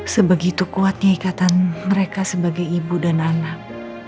sebegitu kuatnya ikatan mereka sebagai ibu dan anak